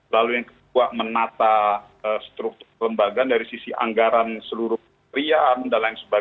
lalu yang kedua menata struktur kelembagaan dari sisi anggaran seluruh karyawan dll